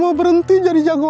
saya mau berhenti jadi jagoan